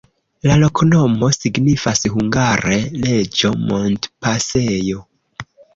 La loknomo signifas hungare: reĝo-montpasejo.